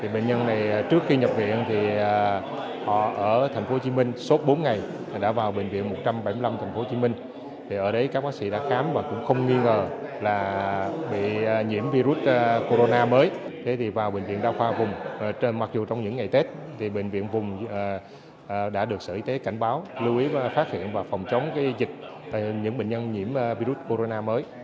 bệnh viện đa khoa vùng mặc dù trong những ngày tết bệnh viện vùng đã được sở y tế cảnh báo lưu ý và phát hiện và phòng chống dịch những bệnh nhân nhiễm virus corona mới